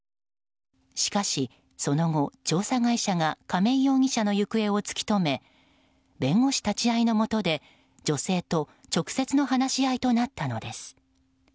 しかしその後、調査会社が亀井容疑者の行方を突き止め弁護士立ち会いのもとで女性と直接の話し合いとなったのです。